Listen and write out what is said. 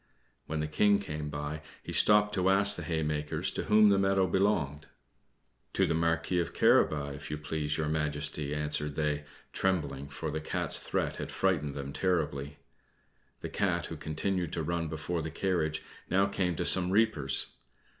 When the King came by, he stopped to ask the haymakers to whom the meadow belonged. "To the Marquis of Carabas, if it please Your Majesty," answered they, trembling, for the Cat's threat had frightened them terribly. The Cat, who continued to run before the carriage, now came to some reapers.